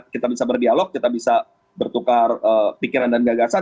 kita bisa berdialog kita bisa bertukar pikiran dan gagasan